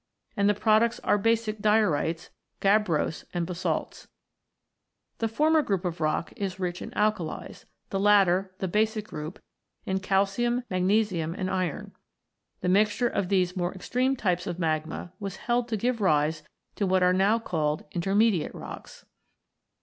and the products are basic diorites, gabbros, and basalts (77), The former group of rocks is rich in alkalies, the latter, the "basic" group, in calcium, magnesium, and iron. The mixture of these more extreme types of magma was held to give rise to what are now called "inter mediate" rocks.